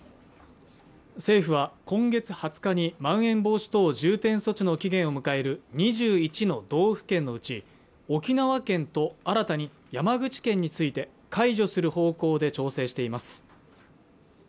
政府は今月２０日にまん延防止等重点措置の期限を迎える２１の道府県のうち沖縄県と新たに山口県について解除する方向で調整しています